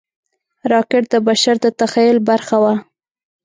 راکټ د بشر د تخیل برخه وه